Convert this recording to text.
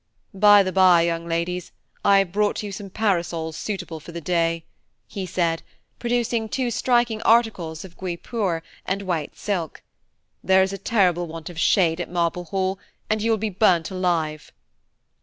"By the bye, young ladies, I have brought you some parasols suitable for the day," he said, producing two striking articles of guipure and white silk; "there is a terrible want of shade at Marble Hall, and you will be burnt alive."